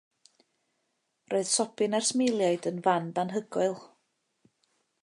Roedd Sobyn a'r Smeiliaid yn fand anhygoel.